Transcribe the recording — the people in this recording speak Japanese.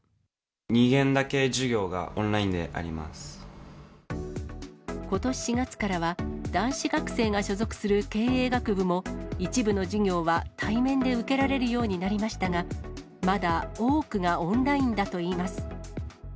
２限だけ授業がオンラインでことし４月からは、男子学生が所属する経営学部も、一部の授業は対面で受けられるようになりましたが、まだ多くがオンラインだといいます。